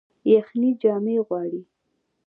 یخني جامې غواړي